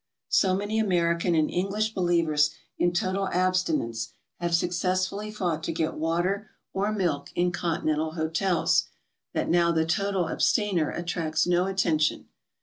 So many American and Englis'h believers in total abstinence GOING ABROAD? ^30 have successfully fought to get water or milk in Continental hotels, that now the total abstainer attracts no attention.